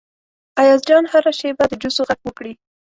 ایاز جان هره شیبه د جوسو غږ وکړي.